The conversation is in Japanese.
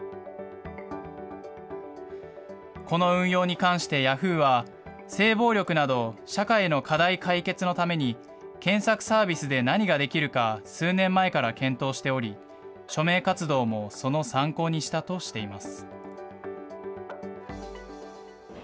この運用に関してヤフーは、性暴力など社会の課題解決のために検索サービスで何ができるか、数年前から検討しており、署名活動もその参考にしたとしています。